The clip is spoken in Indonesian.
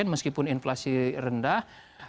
meskipun inflasi rendah